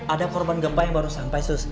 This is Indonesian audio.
ada korban gempa yang baru sampai sus